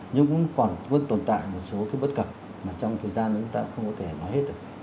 nhưng cũng còn vẫn tồn tại một số cái bất cập mà trong thời gian chúng ta cũng không có thể nói hết được